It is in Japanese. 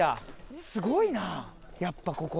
すごいなやっぱここ。